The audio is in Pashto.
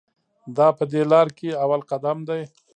دا په دې لار کې اول قدم دی ګله.